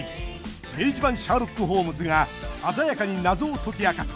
明治版シャーロック・ホームズが鮮やかに謎を解き明かす